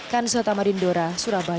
kansuata marindora surabaya